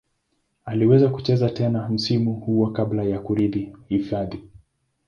Aliweza kucheza tena msimu huo kabla ya kurudi hifadhi.